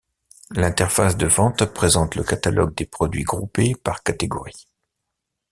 L'interface de vente présente le catalogue des produits groupés par catégories.